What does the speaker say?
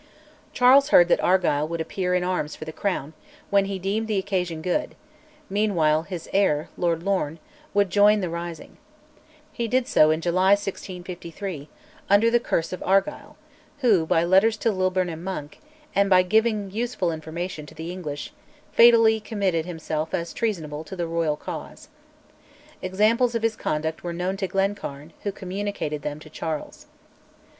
Charles heard that Argyll would appear in arms for the Crown, when he deemed the occasion good; meanwhile his heir, Lord Lorne, would join the rising. He did so in July 1653, under the curse of Argyll, who, by letters to Lilburne and Monk, and by giving useful information to the English, fatally committed himself as treasonable to the Royal cause. Examples of his conduct were known to Glencairn, who communicated them to Charles.